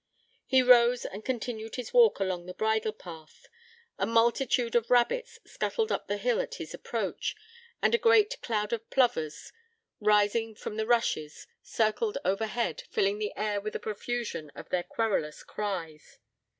He rose and continued his walk along the bridle path. A multitude of rabbits scuttled up the hill at his approach; and a great cloud of plovers, rising from the rushes, circled overhead, filling the air with a profusion of their querulous cries.